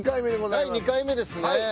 第２回目ですね。